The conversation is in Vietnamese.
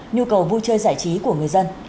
nhu cầu vui chơi giải trí của người dân